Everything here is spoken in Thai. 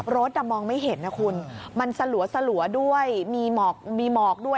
รถแต่มองไม่เห็นนะคุณมันสะหรัวด้วยมีหมอกด้วย